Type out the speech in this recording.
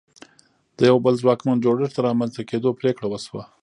د یوه بل ځواکمن جوړښت د رامنځته کېدو پرېکړه وشوه.